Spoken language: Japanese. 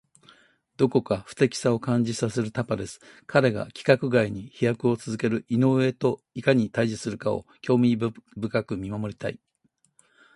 どこか不敵さを感じさせるタパレス。彼が規格外に飛躍を続ける井上といかに対峙するかを興味深く見守りたい。